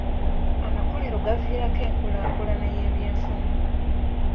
Amakolero gaviirako enkulaakulana y'ebyenfuna.